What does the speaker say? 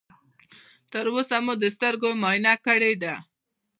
تر اوسه مو د سترګو معاینه کړې ده؟